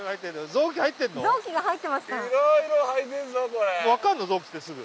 臓器ってすぐ。